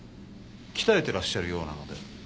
鍛えてらっしゃるようなので。